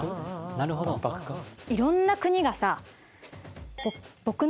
いろんな国がさ。